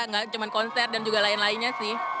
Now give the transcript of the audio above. nggak cuma konser dan juga lain lainnya sih